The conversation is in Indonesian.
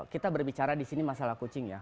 kita berbicara di sini masalah kucing ya